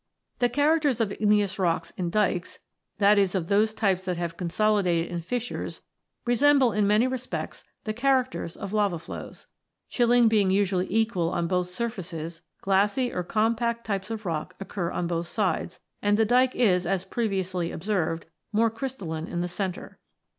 The characters of igneous rocks in dykes, that is, of those types that have consolidated in fissures, resemble in many respects the characters of lava flows. Chilling being usually equal on both surfaces, glassy or compact types of rock occur on both sides, and the dyke is, as previously observed, more crystal line in the centre.